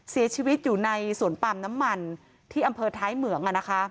เสียชีวิตอยู่ในสวนปาล์มน้ำมันที่อำเภอท้ายเหมือง